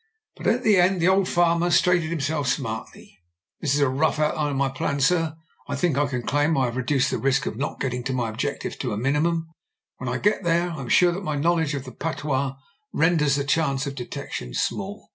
But at the end the old farmer straightened himself •smartly. ''That is the rough outline of my plan, sir. I think I can claim that I have reduced the risk of not get ting to my objective to a minimum. When I get there •I am sure that my knowledge of the patois renders the chance of detection small.